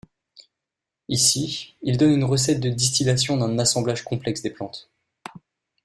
Ici, il donne une recette de distillation d'un assemblage complexe de plantes.